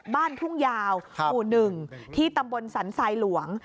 บ้านทุ่งยาวหมู่๑ที่ตำบลสันทรายหลวง